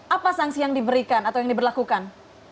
apa sanksi yang diberikan atau yang diberlakukan